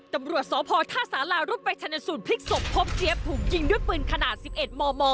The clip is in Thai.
ตำรวจสพท่าสารารุ่นไปชนสูตรพลิกศพพบเจี๊ยบถูกยิงด้วยปืนขนาด๑๑มม